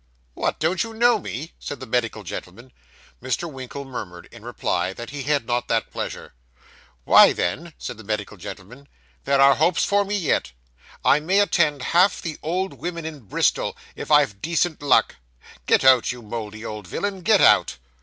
'What, don't you know me?' said the medical gentleman. Mr. Winkle murmured, in reply, that he had not that pleasure. 'Why, then,' said the medical gentleman, 'there are hopes for me yet; I may attend half the old women in Bristol, if I've decent luck. Get out, you mouldy old villain, get out!